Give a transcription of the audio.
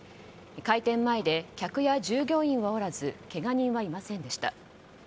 開店前で客や従業員はおらずけが人はいませんでした。